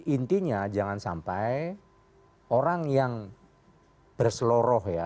intinya jangan sampai orang yang berseloroh ya